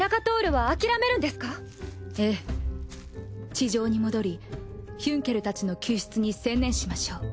地上に戻りヒュンケルたちの救出に専念しましょう。